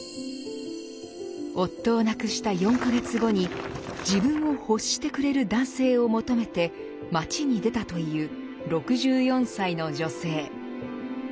夫を亡くした４か月後に自分を欲してくれる男性を求めて街に出たという６４歳の女性。